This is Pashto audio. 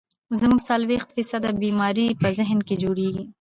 زمونږ څلوېښت فيصده بيمارۍ پۀ ذهن کښې جوړيږي